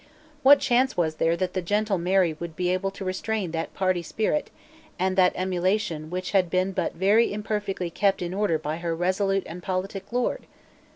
What chance was there that the gentle Mary would be able to restrain that party spirit and that emulation which had been but very imperfectly kept in order by her resolute and politic lord?